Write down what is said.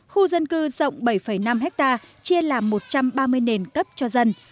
khu dân cư rộng bảy năm hectare chia làm một trăm ba mươi nền cấp cho dân